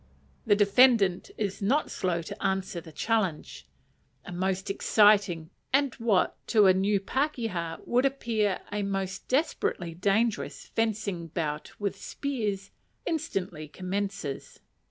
The defendant is not slow to answer the challenge. A most exciting, and what to a new pakeha would appear a most desperately dangerous, fencing bout with spears, instantly commences.